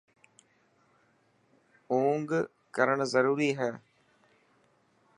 اونگ ڪرڻ ضروري هي.